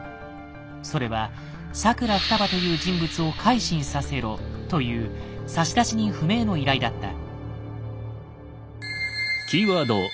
それは「佐倉双葉という人物を改心させろ」という差出人不明の依頼だった。